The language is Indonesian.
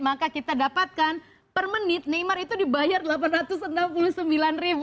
maka kita dapatkan per menit neymar itu dibayar rp delapan ratus enam puluh sembilan